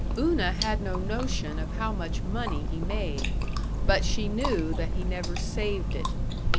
Una had no notion of how much money he made, but she knew that he never saved it.